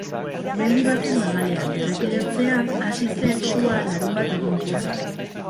Mendi baten magalean, errepide ertzean, hasi zen sua larunbat iluntzean.